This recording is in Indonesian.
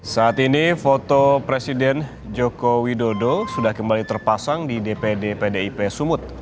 saat ini foto presiden joko widodo sudah kembali terpasang di dpd pdip sumut